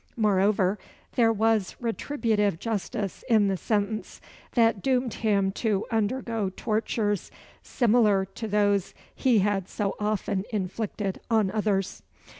Moreover, there was retributive justice in the sentence, that doomed him to undergo tortures similar to those he had so often inflicted on others.